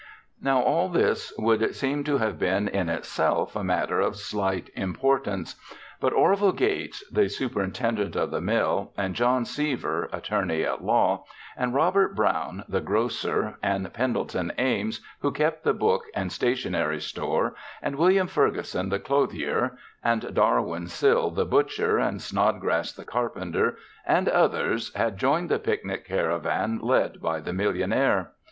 Now all this would seem to have been in itself a matter of slight importance. But Orville Gates, the superintendent of the mill, and John Seaver, attorney at law, and Robert Brown, the grocer, and Pendleton Ames, who kept the book and stationery store, and William Ferguson, the clothier, and Darwin Sill, the butcher, and Snodgrass, the carpenter, and others had joined the picnic caravan led by the millionaire.